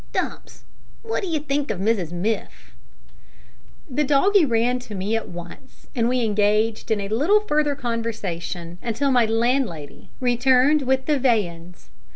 "Dumps, what do you think of Mrs Miff?" The doggie ran to me at once, and we engaged in a little further conversation until my landlady returned with the viands.